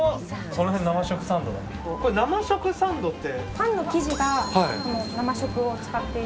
この辺生食サンドだって。